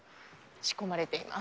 仕込まれています。